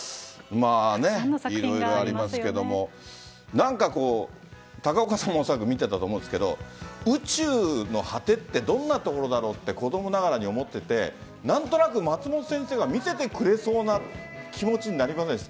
なんかこう、高岡さんも恐らく見てたと思うんですけど、宇宙の果てってどんなところだろうって、子どもながらに思ってて、なんとなく松本先生が見せてくれそうな気持ちになりませんでした？